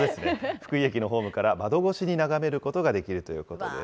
福井駅のホームから窓越しに眺めることができるということです。